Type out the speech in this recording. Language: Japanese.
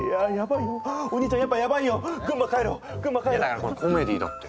だからこれコメディーだって。